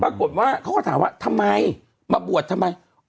ปรากฏว่าเขาก็ถามว่าทำไมมาบวชทำไม